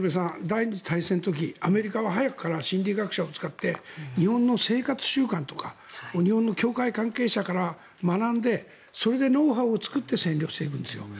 第２次大戦の時、アメリカは早くから心理学者を使って日本の生活習慣とか日本の教会関係者から学んでそれでノウハウを作って占領していくんですよ。